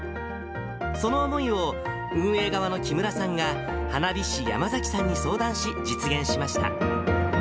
その思いを運営側の木村さんが、花火師、山崎さんに相談し、実現しました。